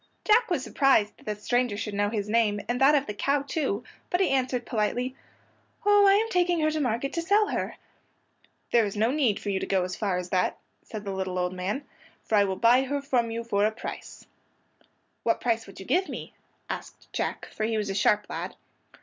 Jack was surprised that the stranger should know his name, and that of the cow, too, but he answered politely, "Oh, I am taking her to market to sell her." "There is no need for you to go as far as that," said the little old man, "for I will buy her from you for a price." "What price would you give me?" asked Jack, for he was a sharp lad.